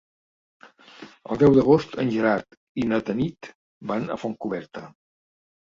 El deu d'agost en Gerard i na Tanit van a Fontcoberta.